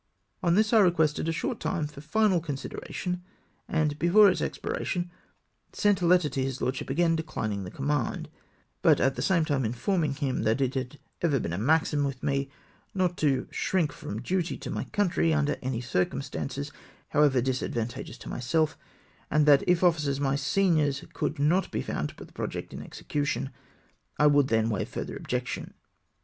On this I requested a short time for final considera tion, and before its expiration sent a letter to his lord ship again declining the command ; but at the same time informmg him that it had ever been a maxim with me not to shrink from duty to my country under any circumstances, however disadvantageous to myself, and that if officers my seniors could not be found to put the project in execution, I would then waive further objection.